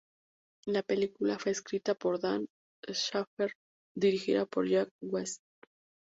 La película fue escrita por Dan Schaffer, dirigida por Jake West.